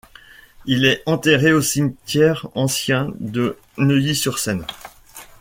Il est enterré au cimetière ancien de Neuilly-sur-Seine.